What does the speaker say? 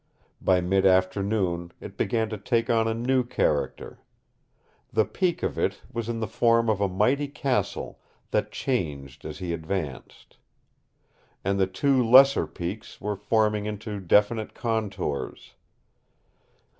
By mid afternoon it began to take on a new character. The peak of it was in the form of a mighty castle that changed as he advanced. And the two lesser peaks were forming into definite contours.